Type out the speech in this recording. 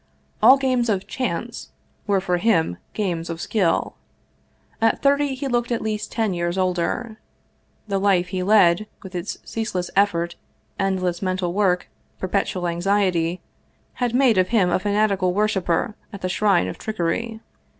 All games of " chance " were for him games of skill. At thirty he looked at least ten years older. The life he led, with its ceaseless effort, endless mental work, perpetual anxiety, had made of him a fanati cal worshiper at the shrine of trickery.